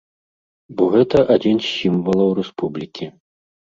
Бо гэта адзін з сімвалаў рэспублікі.